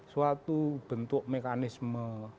suatu bentuk mekanisme